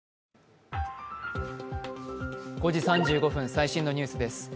最新のニュースです。